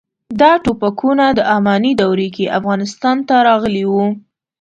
دا ټوپکونه د اماني دورې کې افغانستان ته راغلي وو.